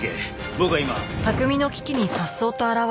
僕は今。